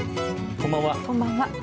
こんばんは。